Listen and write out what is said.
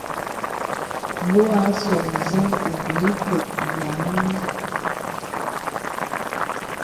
Ngé wà àsôk nzə óbīlí pə́k nàŋha mə.